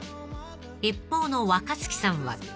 ［一方の若槻さんは］